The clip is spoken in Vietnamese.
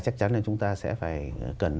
chắc chắn là chúng ta sẽ phải cần